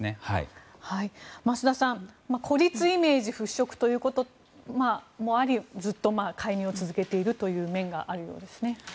増田さん、孤立イメージの払拭ということもありずっと介入を続けている面があるようですね。